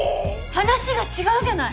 話が違うじゃない！